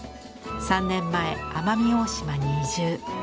３年前奄美大島に移住。